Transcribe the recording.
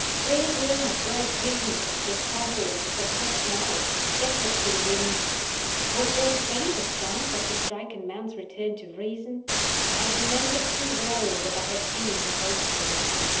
Where were my bright visions of discovery and success now? Scattered to the winds! Was there the faintest chance of the stricken man's return to reason? I remembered too well what I had seen to hope for it.